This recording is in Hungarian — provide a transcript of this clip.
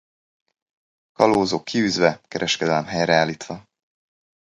Kalózok kiűzve - Kereskedelem helyreállítva.